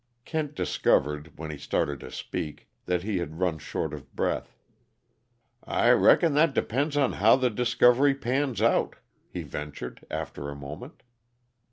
Kent discovered, when he started to speak, that he had run short of breath. "I reckon that depends on how the discovery pans out," he ventured, after a moment.